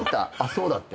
そうだって。